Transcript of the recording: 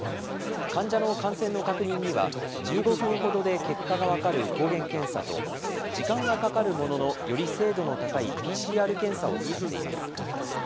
患者の感染の確認には、１５分ほどで結果が分かる抗原検査と、時間はかかるものの、より精度の高いＰＣＲ検査を使っています。